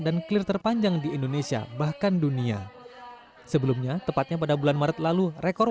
dan clear terpanjang di indonesia bahkan dunia sebelumnya tepatnya pada bulan maret lalu rekor